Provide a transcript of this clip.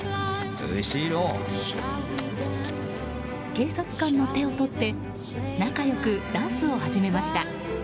警察官の手を取って仲良くダンスを始めました。